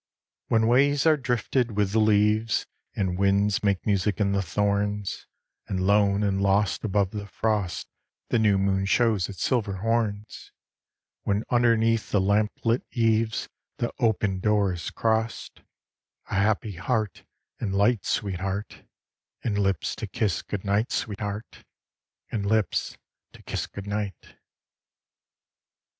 II. When ways are drifted with the leaves, And winds make music in the thorns; And lone and lost above the frost The new moon shows its silver horns; When underneath the lamp lit eaves The opened door is crossed, A happy heart and light, sweetheart, And lips to kiss good night, sweetheart, And lips to kiss good night.